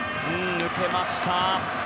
抜けました。